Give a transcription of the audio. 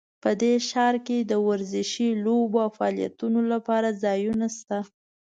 په دې ښار کې د ورزشي لوبو او فعالیتونو لپاره ځایونه شته